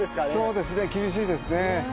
そうですね厳しいですね。